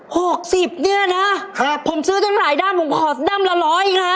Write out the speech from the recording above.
หกสิบเนี่ยนะครับผมซื้อจนหลายด้ำผมขอด้ำละร้อยไง